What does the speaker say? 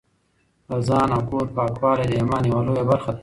د ځان او کور پاکوالی د ایمان یوه لویه برخه ده.